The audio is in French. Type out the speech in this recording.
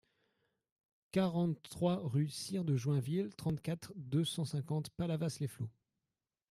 quarante-trois rue Sire de Joinville, trente-quatre, deux cent cinquante, Palavas-les-Flots